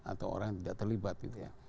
atau orang yang tidak terlibat gitu ya